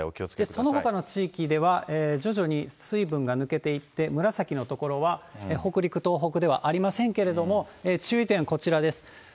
そのほかの地域では徐々に水分が抜けていって、紫の所は、北陸、東北ではありませんけれども、注意点はこちらです。